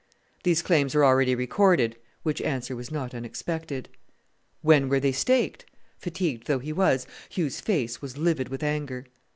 "These claims are already recorded," which answer was not unexpected. "When were they staked?" Fatigued though he was, Hugh's face was livid with anger.